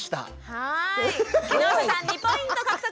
はい木下さん２ポイント獲得。